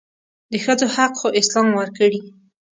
دښځو حق خواسلام ورکړي